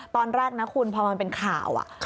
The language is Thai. ตอนแรกนะคุณพอมันเป็นข่าว